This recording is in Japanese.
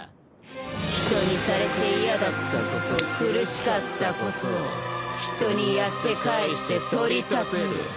人にされて嫌だったこと苦しかったことを人にやって返して取り立てる。